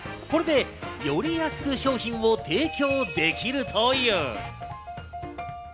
これでより安く商品を提供できるという。